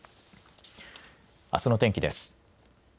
あすの天気です。